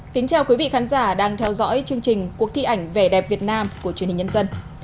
kính chào quý vị khán giả đang theo dõi chương trình cuộc thi ảnh vẻ đẹp việt nam của truyền hình nhân dân